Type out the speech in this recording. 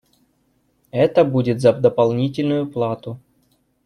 Это будет за дополнительную плату.